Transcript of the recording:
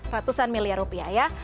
ratusan miliar rupiah ya